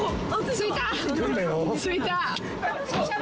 着いた。